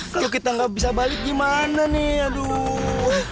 kalau kita nggak bisa balik gimana nih aduh